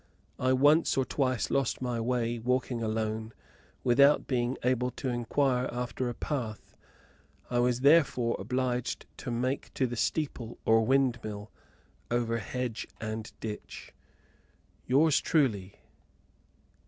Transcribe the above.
I once or twice lost my way, walking alone, without being able to inquire after a path; I was therefore obliged to make to the steeple, or windmill, over hedge and ditch. Yours truly.